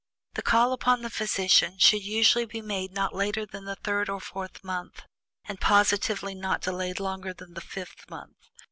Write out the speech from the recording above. The call upon the physician should usually be made not later than the third or fourth month, and positively not delayed longer than the fifth month.